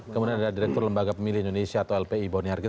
kemudian ada direktur lembaga pemilih indonesia atau lpi boni harget